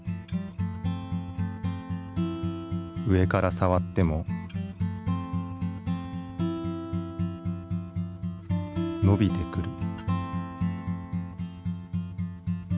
上から触っても伸びてくる。